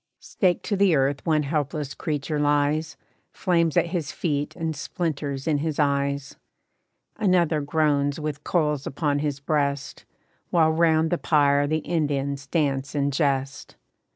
Staked to the earth one helpless creature lies, Flames at his feet and splinters in his eyes. Another groans with coals upon his breast, While 'round the pyre the Indians dance and jest.